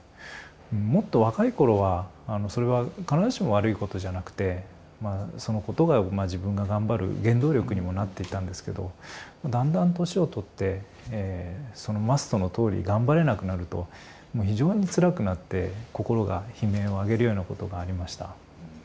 もっと若い頃はそれは必ずしも悪いことじゃなくてそのことが自分が頑張る原動力にもなっていたんですけどだんだん年を取ってその「ｍｕｓｔ」のとおり頑張れなくなると非常につらくなって心が悲鳴を上げるようなことがありました。